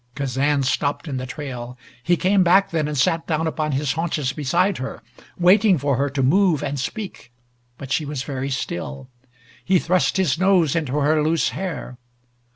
Kazan stopped in the trail. He came back then and sat down upon his haunches beside her, waiting for her to move and speak. But she was very still. He thrust his nose into her loose hair.